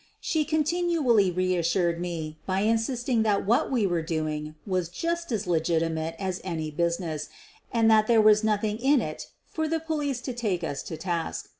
She continually reassured me by insisting that what we were doing was just as legitimate as any business and that there was nothing in it for which the police could take us to task.